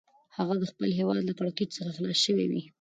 هغه به د خپل هیواد له کړکېچ څخه خلاص شوی وي.